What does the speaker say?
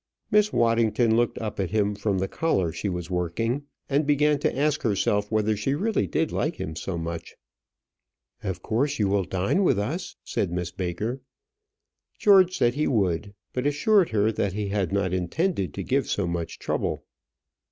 Miss Waddington looked up at him from the collar she was working, and began to ask herself whether she really did like him so much. "Of course you will dine with us," said Miss Baker. George said he would, but assured her that he had not intended to give so much trouble.